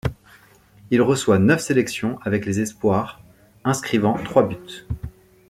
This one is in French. Il reçoit neuf sélections avec les espoirs, inscrivant trois buts.